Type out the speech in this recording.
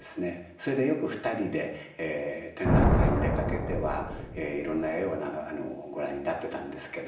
それでよく２人で展覧会に出掛けてはいろんな絵をご覧になってたんですけれども。